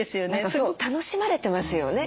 そう楽しまれてますよね。